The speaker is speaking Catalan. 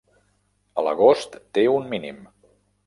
A l'agost té un mínim.